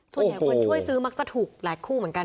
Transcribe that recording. ทุกคนช่วยซื้อจะถูกหลายคู่เหมือนกันอ่ะ